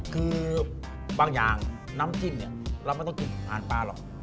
คือบางอย่างน้ำจิ้มเนี่ยเราไม่ต้องกินอาหารปลาหรอก